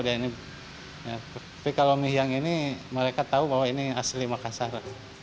tapi kalau mie yang ini mereka tahu bahwa ini asli makassar